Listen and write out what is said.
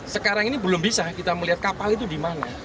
sekarang ini belum bisa kita melihat kapal itu di mana